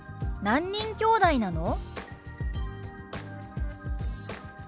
「何人きょうだいなの？」。